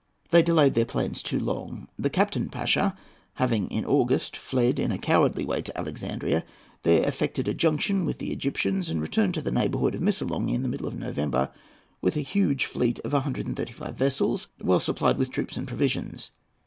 They delayed their plans too long. The Capitan Pasha having in August fled in a cowardly way to Alexandria, there effected a junction with the Egyptians, and returned to the neighbourhood of Missolonghi in the middle of November with a huge fleet of a hundred and thirty five vessels, well supplied with troops and provisions.